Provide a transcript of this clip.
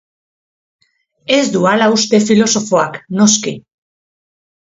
Ez du hala uste, filosofoak, noski.